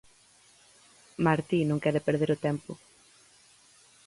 Martí non quere perder o tempo.